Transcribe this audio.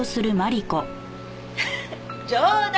冗談。